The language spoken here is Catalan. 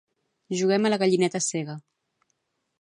Juguem a la gallineta cega